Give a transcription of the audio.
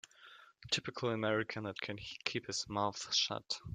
Typical American that can keep his mouth shut.